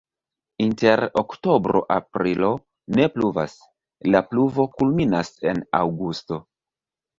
Inter oktobro-aprilo ne pluvas, la pluvo kulminas en aŭgusto.